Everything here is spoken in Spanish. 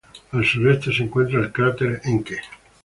Al sureste se encuentra el cráter Encke.